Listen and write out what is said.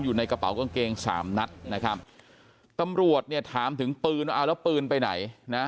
อยู่ในกระเป๋ากางเกงสามนัดนะครับตำรวจเนี่ยถามถึงปืนว่าเอาแล้วปืนไปไหนนะ